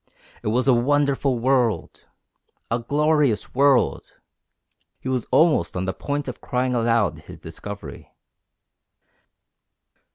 It was a wonderful world! A glorious world! He was almost on the point of crying aloud his discovery.